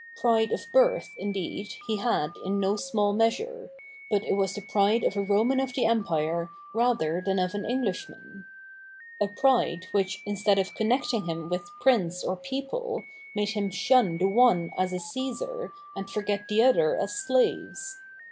Pride of birth, indeed, he had in no small measure ; but it was the pride of a Roman of the Empire rather than of an Englishman ; a pride which, instead of connecting him with prince or people, made him shun the one as a Caesar, and forget the other as slaves.